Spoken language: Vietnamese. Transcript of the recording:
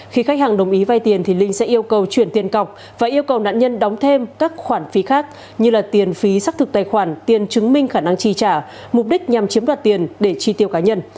khi khách hàng đồng ý vay tiền linh sẽ yêu cầu chuyển tiền cọc và yêu cầu nạn nhân đóng thêm các khoản phí khác như tiền phí xác thực tài khoản tiền chứng minh khả năng chi trả mục đích nhằm chiếm đoạt tiền để chi tiêu cá nhân